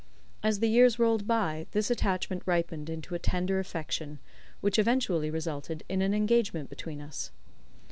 As the years rolled by, this attachment ripened into a tender affection, which eventually resulted in an engagement between us.